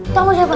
tau mau siapa